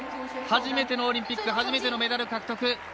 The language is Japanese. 初めてのオリンピックで初めてのメダル獲得。